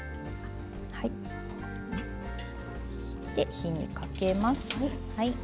火にかけます。